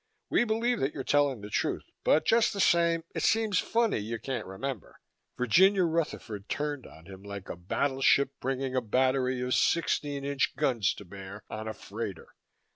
We believe that you're telling the truth, but just the same it seems funny you can't remember." Virginia Rutherford turned on him, like a battleship bringing a battery of 16 inch guns to bear on a freighter.